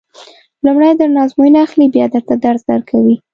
لومړی درنه ازموینه اخلي بیا درته درس درکوي.